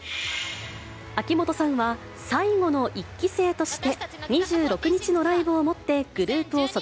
秋元さんは最後の１期生として、２６日のライブをもってグル